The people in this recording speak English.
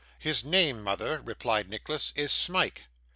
'His name, mother,' replied Nicholas, 'is Smike.